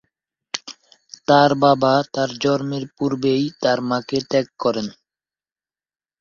তার বাবা তার জন্মের পূর্বেই তার মাকে ত্যাগ করেন।